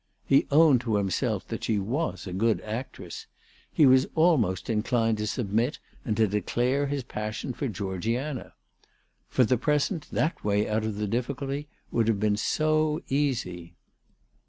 He owned to himself that she was a good actress. He was almost inclined to submit and to declare his passion for Georgiana. For the present that way out of the difficulty would have been so easy